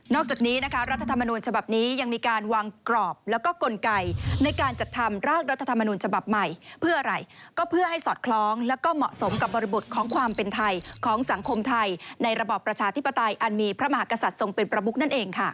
จากนี้นะคะรัฐธรรมนูญฉบับนี้ยังมีการวางกรอบแล้วก็กลไกในการจัดทำร่างรัฐธรรมนูญฉบับใหม่เพื่ออะไรก็เพื่อให้สอดคล้องแล้วก็เหมาะสมกับบริบทของความเป็นไทยของสังคมไทยในระบอบประชาธิปไตยอันมีพระมหากษัตริย์ทรงเป็นประมุกนั่นเองค่ะ